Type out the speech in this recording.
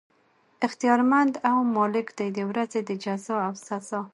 اختيار مند او مالک دی د ورځي د جزاء او سزاء